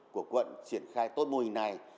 của quận triển khai tốt mô hình này